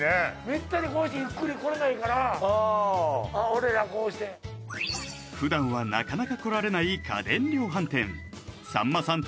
めったにこうしてゆっくり来れないから俺らこうして普段はなかなか来られない家電量販店さんまさん